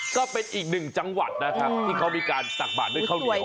ก็เป็นอีกหนึ่งจังหวัดนะครับที่เขามีการตักบาดด้วยข้าวเหนียว